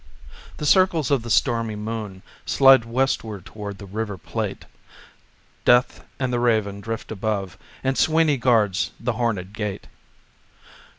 The circles of the stormy moon Slide westward toward the River Plate, Death and the Raven drift above And Sweeney guards the hornèd gate.